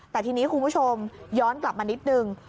แต่ทีนี้คุณผู้ชมย้อนกลับมานิดนึง